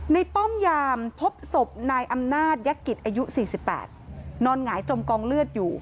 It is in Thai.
ป้อมยามพบศพนายอำนาจยกิจอายุ๔๘นอนหงายจมกองเลือดอยู่